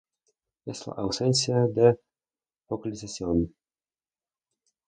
Es la ausencia de focalización.